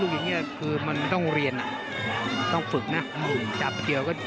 อย่างนี้คือมันต้องเรียนอ่ะต้องฝึกนะจับเกี่ยวก็